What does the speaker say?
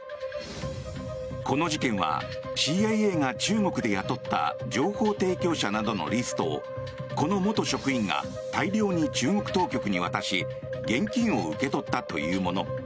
この事件はＣＩＡが中国で雇った情報提供者などのリストをこの元職員が大量に中国当局に渡し現金を受け取ったというもの。